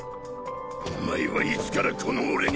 お前はいつからこの俺に。